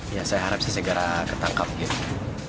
ya saya harap sih segera ketangkap gitu